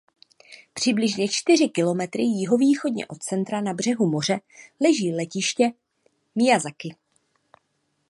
Přibližně čtyři kilometry jihovýchodně od centra na břehu moře leží letiště Mijazaki.